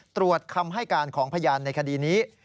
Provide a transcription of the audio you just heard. ตรวจคำให้การของพยานในคดีนี้